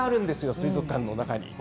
水族館の中に。